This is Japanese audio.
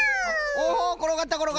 おおころがったころがった。